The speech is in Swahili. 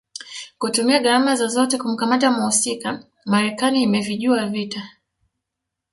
kutumia gharama zozote kumkamata mhusika Marekani imevijua vita